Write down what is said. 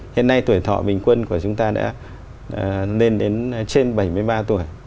hiện nay tuổi thọ bình quân của chúng ta đã lên đến trên bảy mươi ba tuổi